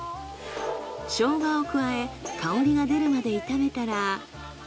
ショウガを加え香りが出るまで炒めたら。